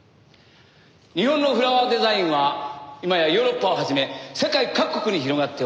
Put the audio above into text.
日本のフラワーデザインは今やヨーロッパを始め世界各国に広がっております。